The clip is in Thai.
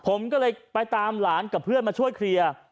ผมก็เลยไปตามหลานกับเพื่อนมาช่วยเคลียร์